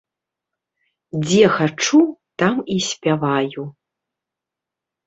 Дзе хачу, там і спяваю.